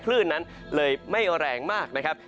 คลื่นนั้นเลยไม่แรงมากนะครับ